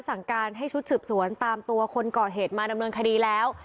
สั่งการให้ชุดสืบสวนตามตัวคนก่อเหตุมาดำเนินคดีแล้ว